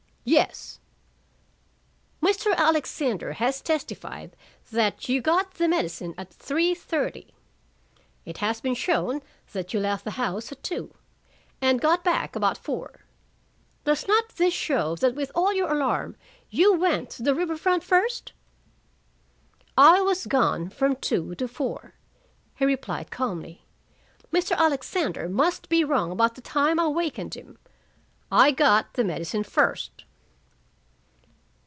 "Yes." "Mr. Alexander has testified that you got the medicine at three thirty. It has been shown that you left the house at two, and got back about four. Does not this show that with all your alarm you went to the river front first?" "I was gone from two to four," he replied calmly. "Mr. Alexander must be wrong about the time I wakened him. I got the medicine first."